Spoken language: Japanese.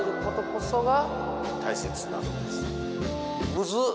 むずっ！